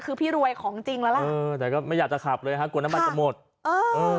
คือพี่รวยของจริงแล้วล่ะเออแต่ก็ไม่อยากจะขับเลยฮะกลัวน้ำมันจะหมดเออเออ